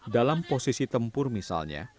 dalam posisi tempur misalnya